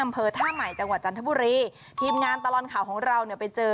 อำเภอท่าใหม่จังหวัดจันทบุรีทีมงานตลอดข่าวของเราเนี่ยไปเจอ